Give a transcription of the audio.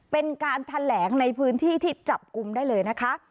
เป็นการแถลงในพื้นที่ที่จับกลุ่มได้เลยนะคะ